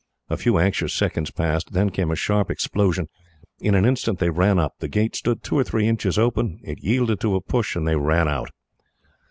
A few anxious seconds passed, then came a sharp explosion. In an instant they ran up. The gate stood two or three inches open. It yielded to a push, and they ran out.